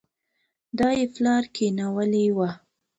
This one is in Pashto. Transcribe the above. دا يې پلار کېنولې وه.